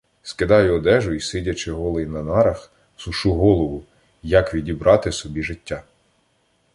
Скидаю одежу й, сидячи голий на нарах, сушу голову, як відібрати собі життя.